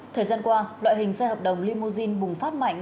thời gian qua loại hình xe hợp đồng limousine bùng phát mạnh